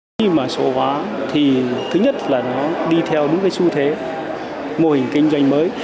khi mà số hóa thì thứ nhất là nó đi theo những cái xu thế mô hình kinh doanh mới